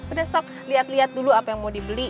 udah sok lihat lihat dulu apa yang mau dibeli